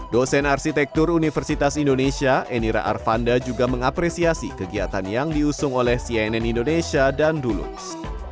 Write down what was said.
dosen arsitektur universitas indonesia enira arvanda juga mengapresiasi kegiatan yang diusung oleh cnn indonesia dan dulux